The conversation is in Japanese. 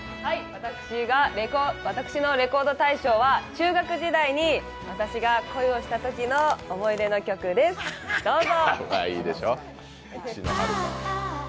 私の「レコード大賞」は中学時代に私が恋をしたときの思い出の曲です、どうぞ。